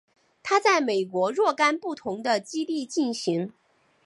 它在美国若干不同的基地进行。